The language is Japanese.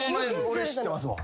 俺知ってますもん。